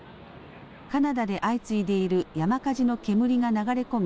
カナダで相次いでいる山火事の煙が流れ込み